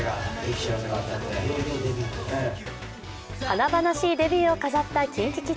華々しいデビューを飾ったＫｉｎＫｉＫｉｄｓ。